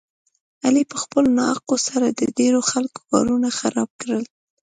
علي په خپلو ناحقو سره د ډېرو خلکو کارونه خراب کړل.